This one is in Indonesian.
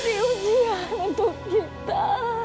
ini ujian untuk kita